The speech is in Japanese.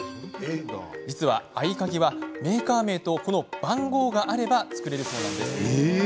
実は合鍵は、メーカー名とこの番号があれば作れるそうなんです。